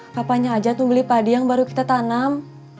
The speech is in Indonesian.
kapanya aja nungguin padi yang baru kita tanam